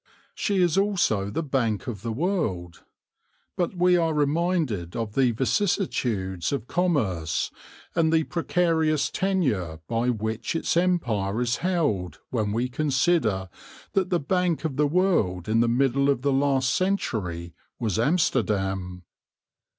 She is also the bank of the world. But we are reminded of the vicissitudes of commerce and the precarious tenure by which its empire is held when we consider that the bank of the world in the middle of the last century was Amsterdam.